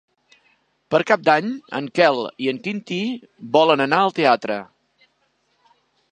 Per Cap d'Any en Quel i en Quintí volen anar al teatre.